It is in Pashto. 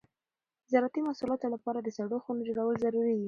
د زراعتي محصولاتو لپاره د سړو خونو جوړول ضروري دي.